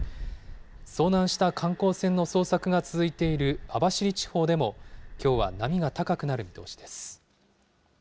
遭難した観光船の捜索が続いている網走地方でも、きょうは波が高くなる見通しです。